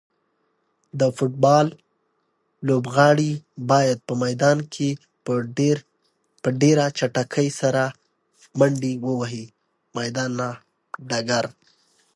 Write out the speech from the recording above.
د فوټبال لوبغاړي باید په میدان کې په ډېره چټکۍ سره منډې ووهي.